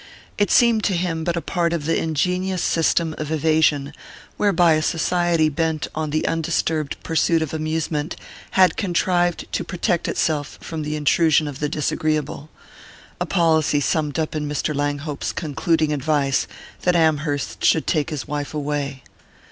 It seemed to him but a part of the ingenious system of evasion whereby a society bent on the undisturbed pursuit of amusement had contrived to protect itself from the intrusion of the disagreeable: a policy summed up in Mr. Langhope's concluding advice that Amherst should take his wife away.